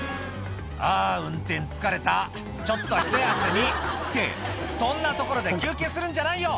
「あぁ運転疲れたちょっとひと休み」ってそんな所で休憩するんじゃないよ！